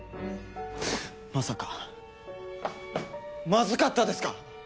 まさかまずかったですか！？